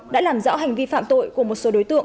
đã làm rõ hành vi phạm tội của một số đối tượng